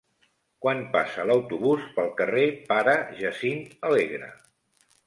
Quan passa l'autobús pel carrer Pare Jacint Alegre?